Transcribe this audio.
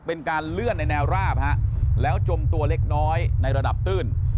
เป็นการเลื่อนในแนวราบฮะแล้วจมตัวเล็กน้อยในระดับตื้น